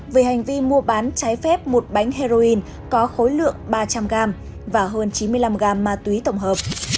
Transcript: về hành vi mua bán trái phép một bánh heroin có khối lượng ba trăm linh gram và hơn chín mươi năm gram ma túy tổng hợp